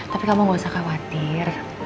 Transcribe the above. tapi kamu gak usah khawatir